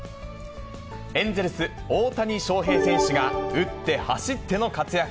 エンゼルス、大谷翔平選手が、打って、走っての活躍。